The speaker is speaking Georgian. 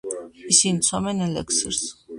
ისინიც სვამენ ელექსირს.